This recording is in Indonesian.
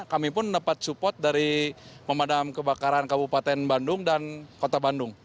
dan dapat support dari pemadam kebakaran kabupaten bandung dan kota bandung